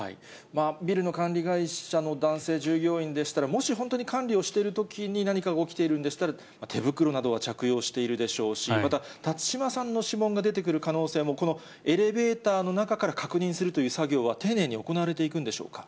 ビルの管理会社の男性従業員でしたら、もし本当に管理をしているときに何かが起きているんでしたら、手袋などは着用しているでしょうし、また、辰島さんの指紋が出てくる可能性も、このエレベーターの中から確認するという作業は、丁寧に行われていくんでしょうか。